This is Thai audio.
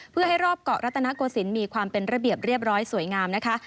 เพื่อให้รอบเกาะรัตนโกศิลปมีความเป็นระเบียบเรียบร้อยสวยงามนะคะ